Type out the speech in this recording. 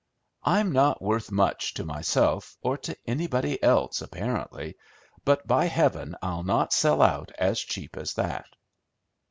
I'm not worth much to myself, or to anybody else, apparently, but by Heaven I'll not sell out as cheap as that!